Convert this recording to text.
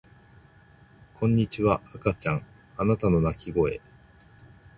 こんにちは赤ちゃんあなたの泣き声